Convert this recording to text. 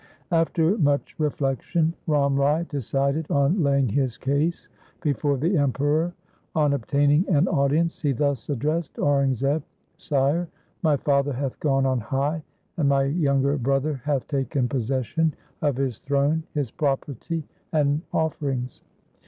After much reflection Ram Rai decided on laying his case before the Emperor. On obtaining an audience he thus addressed Aurangzeb, ' Sire, my father hath gone on high, and my younger brother hath taken possession of his throne, his property, and offerings.